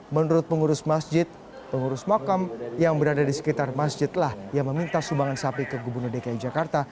menurut pengurus masjid pengurus makam yang berada di sekitar masjidlah yang meminta sumbangan sapi ke gubernur dki jakarta